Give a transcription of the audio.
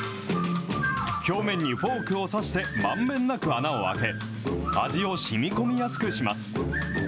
表面にフォークを刺して、まんべんなく穴を開け、味をしみこみやすくします。